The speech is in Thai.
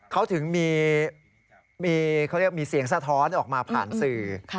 เขาถึงมีเสียงสะท้อนออกมาผ่านสื่อ